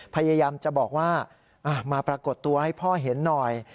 พยายามจะบอกว่ามาปรากฏตัวให้พ่อเห็นหน่อย